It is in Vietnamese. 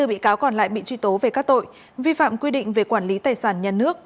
hai mươi bị cáo còn lại bị truy tố về các tội vi phạm quy định về quản lý tài sản nhà nước